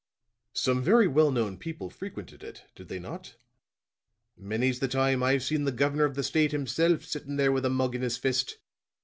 "Some very well known people frequented it, did they not?" "Many's the time I've seen the governor of the state himself, sitting there with a mug in his fist.